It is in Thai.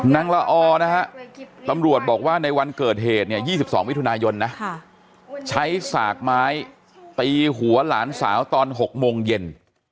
ละออนะฮะตำรวจบอกว่าในวันเกิดเหตุเนี่ย๒๒มิถุนายนนะใช้สากไม้ตีหัวหลานสาวตอน๖โมงเย็น